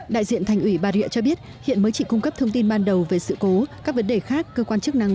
đại diện thành ủy bà rịa cho biết hiện mới chỉ cung cấp thông tin ban đầu về sự cố các vấn đề khác cơ quan chức năng